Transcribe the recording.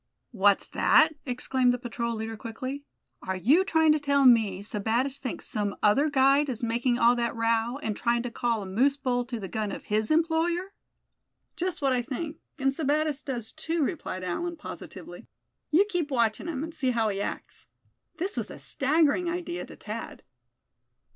"What's that?" exclaimed the patrol leader, quickly; "are you trying to tell me Sebattis thinks some other guide is making all that row, and trying to call a moose bull to the gun of his employer?" "Just what I think; and Sebattis does too," replied Allan, positively. "You keep watching him, and see how he acts." This was a staggering idea to Thad.